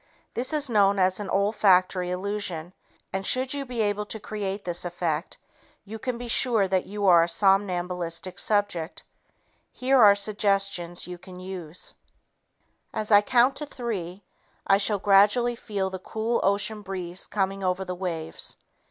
This is known as an olfactory illusion and should you be able to create this effect, you can be sure that you are a somnambulistic subject. Here are suggestions you can use: "As I count to three, I shall gradually feel the cool ocean breeze coming over the waves.